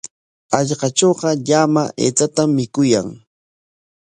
Hallqatrawqa llama aychatam mikuyan.